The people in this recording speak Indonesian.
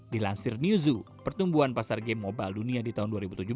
dilansir newzoo pertumbuhan pasar game mobile dunia di tahun dua ribu tujuh belas